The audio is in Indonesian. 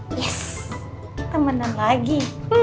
yes temenan lagi